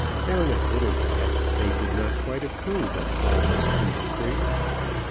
Down at Littlebath they did not quite approve of all this industry.